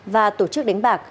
và tổ chức đánh bạc